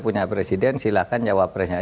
punya presiden silahkan jawab presiden